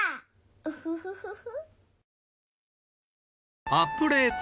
ウフフフフ。